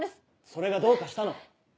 それがどうかしたの？